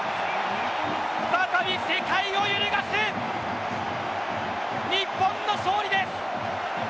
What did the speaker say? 再び世界を揺るがす日本の勝利です！